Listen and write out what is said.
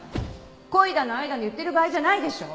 恋だの愛だの言ってる場合じゃないでしょ！